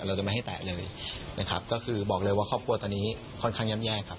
เราจะไม่ให้แตะเลยนะครับก็คือบอกเลยว่าครอบครัวตอนนี้ค่อนข้างย่ำแย่ครับ